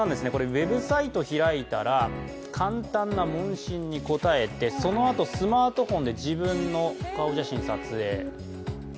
ウェブサイト開いたら簡単な問診に答えて、そのあとスマートフォンで自分の顔写真撮影。